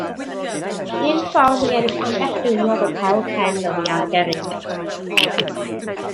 Un ffordd i ennill ambell geiniog oedd hel cen oddi ar gerrig.